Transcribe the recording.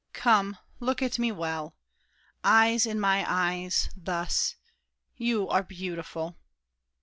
Come, look at me well! Eyes in my eyes: thus. You are beautiful!